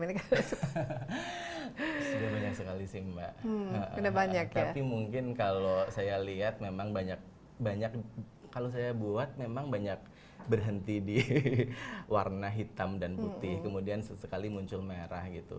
ini sudah banyak sekali sih mbak tapi mungkin kalau saya lihat memang banyak banyak kalau saya buat memang banyak berhenti di warna hitam dan putih kemudian sesekali muncul merah gitu